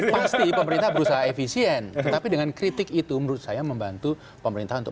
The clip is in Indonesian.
pasti pemerintah berusaha efisien tetapi dengan kritik itu menurut saya membantu pemerintah untuk